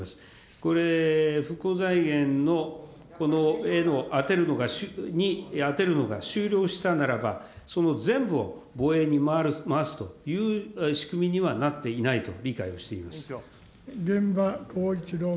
これ、復興財源に充てるのが終了したならば、その全部を防衛に回すという仕組みにはなっていないと理解をして玄葉光一郎君。